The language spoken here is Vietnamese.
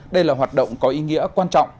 đây là hoạt động có ý nghĩa quan trọng